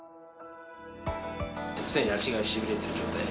常に足がしびれている状態。